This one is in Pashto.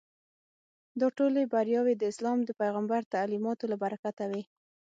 دا ټولې بریاوې د اسلام د پیغمبر تعلیماتو له برکته وې.